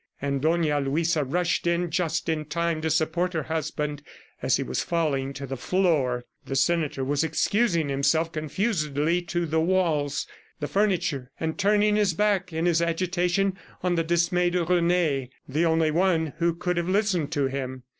And Dona Luisa rushed in just in time to support her husband as he was falling to the floor. The senator was excusing himself confusedly to the walls, the furniture, and turning his back in his agitation on the dismayed Rene, the only one who could have listened to him.